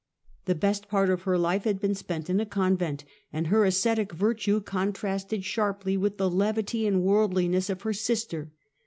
The best part of her life had been spent in a convent, and her ascetic virtue contrasted strangely with the levity and worldliness of her sister.